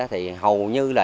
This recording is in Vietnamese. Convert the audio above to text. thì hầu như là